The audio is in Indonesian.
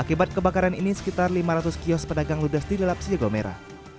akibat kebakaran ini sekitar lima ratus kiosk pedagang ludas di dalam siligomera